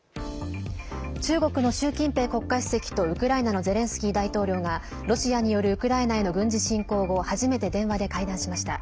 中国の習近平国家主席とウクライナのゼレンスキー大統領がロシアによるウクライナへの軍事侵攻後初めて電話で会談しました。